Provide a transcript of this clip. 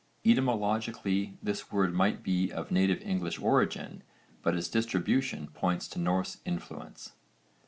Etymologically this word might be of native English origin but its distribution points to Norse influence.